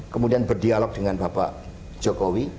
kemudian berdialog dengan bapak jokowi